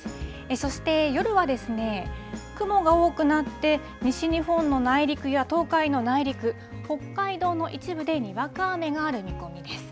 そして夜は、雲が多くなって、西日本の内陸や東海の内陸、北海道の一部でにわか雨がある見込みです。